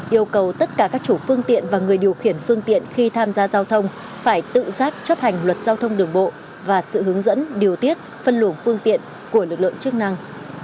yêu cầu tất cả các chủ phương tiện và người điều khiển phương tiện khi tham gia giao thông phải tự giác chấp hành luật giao thông đường bộ và sự hướng dẫn điều tiết phân luồng phương tiện của lực lượng chức năng